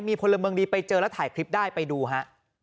มีพลเมืองดีไปเจอแล้วถ่ายคลิปได้ไปดูฮะ